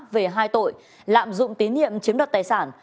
về hai tội lạm dụng tín nhiệm chiếm đoạt tài sản